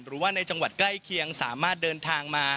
หรือในจังหวัดใกล้เคียง